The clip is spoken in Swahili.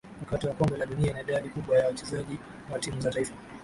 Wakati wa kombe la dunia idadi kubwa ya wachezaji wa timu za taifa